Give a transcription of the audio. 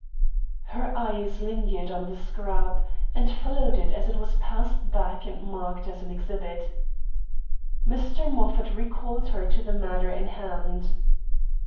Her eyes lingered on the scrap, and followed it as it was passed back and marked as an exhibit. Mr. Moffat recalled her to the matter in hand.